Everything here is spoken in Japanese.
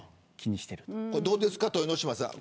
どうですか、豊ノ島さん